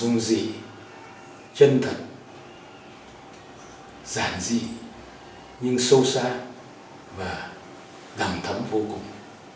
dung dị chân thật giản dị nhưng sâu xa và thẳng thấm vô cùng